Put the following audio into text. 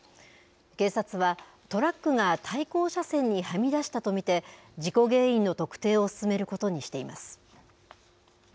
警察はトラックが対向車線にはみ出したと見て、事故原因の特定を進めることにしています。